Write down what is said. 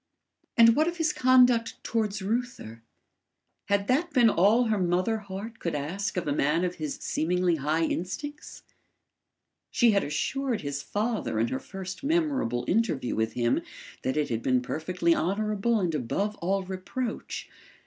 And what of his conduct towards Reuther? Had that been all her mother heart could ask of a man of his seemingly high instincts? She had assured his father in her first memorable interview with him that it had been perfectly honourable and above all reproach.